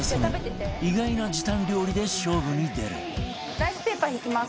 ライスペーパー敷きます